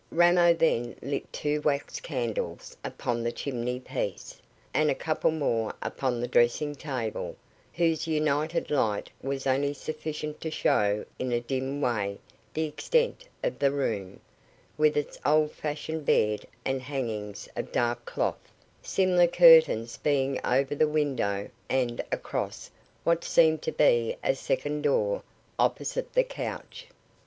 Ramo then lit two wax candles upon the chimney piece, and a couple more upon the dressing table, whose united light was only sufficient to show in a dim way the extent of the room, with its old fashioned bed and hangings of dark cloth, similar curtains being over the window, and across what seemed to be a second door opposite the couch.